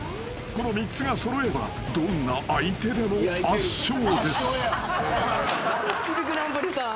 ［この３つが揃えばどんな相手でも圧勝です］